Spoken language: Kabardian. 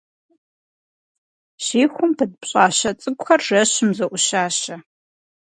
Щихум пыт пщӏащэ цӏыкӏухэр жэщым зоӏущащэ.